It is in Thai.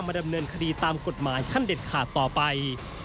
ดำเนินคดีตามกฎหมายขั้นเด็ดขาดต่อไป